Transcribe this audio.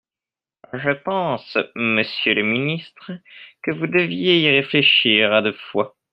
Je pense, monsieur le ministre, que vous deviez y réfléchir à deux fois.